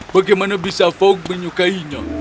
bagaimana bisa fog menyukainya